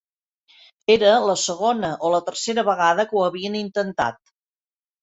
Era la segona o la tercera vegada que ho havien intentat.